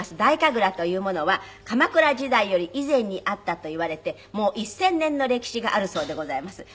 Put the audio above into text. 楽というものは鎌倉時代より以前にあったといわれてもう１０００年の歴史があるそうでございます。